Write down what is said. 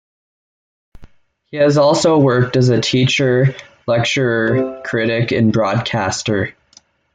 He has also worked as a teacher, lecturer, critic and broadcaster.